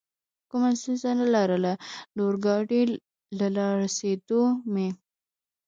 کومه ستونزه نه لرله، د اورګاډي له رارسېدو مې.